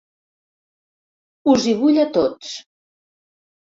Us hi vull a tots.